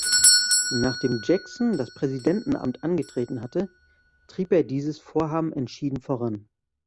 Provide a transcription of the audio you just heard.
Nachdem Jackson das Präsidentenamt angetreten hatte, trieb er dieses Vorhaben entschieden voran.